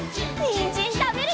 にんじんたべるよ！